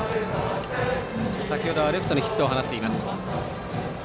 先ほどはレフトにヒットを放っています。